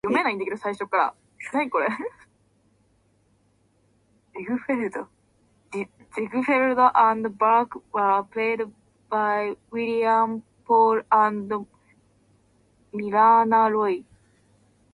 Ziegfeld and Burke were played by William Powell and Myrna Loy.